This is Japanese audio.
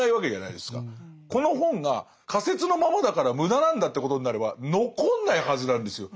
この本が仮説のままだから無駄なんだってことになれば残んないはずなんですよ。